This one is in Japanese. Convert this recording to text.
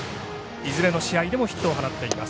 いずれの試合でもヒットを放っています。